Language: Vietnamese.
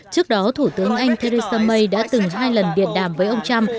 trước đó thủ tướng anh theresa may đã từng hai lần điện đàm với ông trump